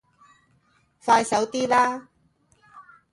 快手啲啦